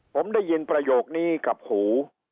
ผมได้ยินประโยคนี้กับหู